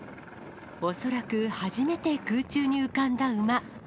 恐らく初めて空中に浮かんだ馬。